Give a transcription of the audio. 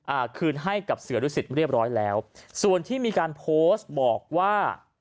อ่าคืนให้กับเสือดุสิตเรียบร้อยแล้วส่วนที่มีการโพสต์บอกว่า